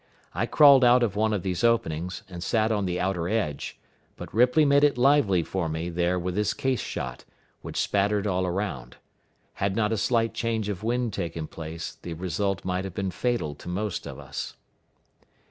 I crawled out of one of these openings, and sat on the outer edge; but Ripley made it lively for me there with his case shot, which spattered all around. Had not a slight change of wind taken place, the result might have been fatal to most of us.